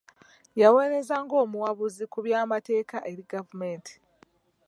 Yaweereza ng'omuwabuzi ku by'amateeka eri gavumenti.